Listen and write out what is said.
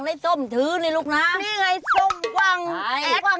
เฮื่อโอเคครับฟ้าลูกฟ้าเอออ